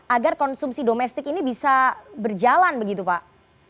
agar konsumsi domestik ini bisa berjalan begitu pak